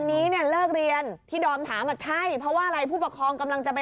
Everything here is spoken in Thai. วิ่งหนีเข้าไปตกใจที่ลูกนั้นอ่ะ